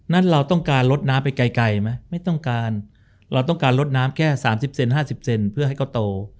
เราต้องการลดน้ำไปไกลไหมไม่ต้องการเราต้องการลดน้ำแค่๓๐เซน๕๐เซนเพื่อให้เขาโต